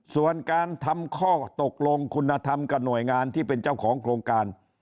ส่วนการทำข้อตกลงคุณธรรมกับหน่วยงานที่เป็นเจ้าของโครงการ